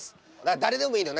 誰でもいいのよ。